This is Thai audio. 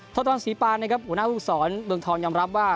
ทรศรีปานนะครับหัวหน้าภูมิสอนเมืองทองยอมรับว่า